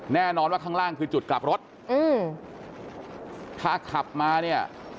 แน่นอนว่าข้างล่างคือจุดกลับรถอืมถ้าขับมาเนี่ย